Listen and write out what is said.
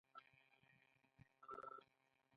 تا خربوټي څه ورانی کړی.